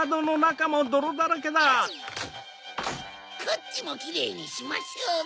こっちもキレイにしましょうね。